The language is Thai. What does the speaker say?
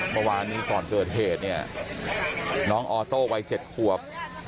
เมื่อวานนี้ก่อนเกิดเหตุเนี่ยน้องออโต้วัย๗ขวบ